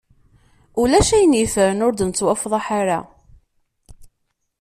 Ulac ayen yeffren ur d-nettwafḍaḥ ara.